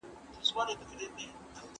ځينې ذهن له مغزو سره تړي.